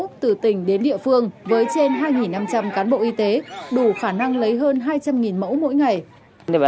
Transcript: từ tỉnh đến địa phương với trên hai năm trăm linh cán bộ y tế đủ khả năng lấy hơn hai trăm linh mẫu mỗi ngày